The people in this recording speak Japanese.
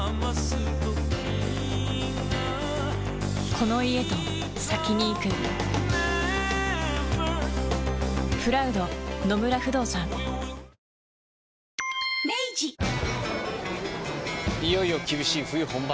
このあといよいよいよいよ厳しい冬本番。